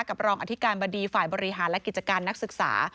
รองอธิการบดีฝ่ายบริหารและกิจการนักศึกษา